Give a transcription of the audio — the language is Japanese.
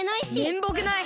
めんぼくない！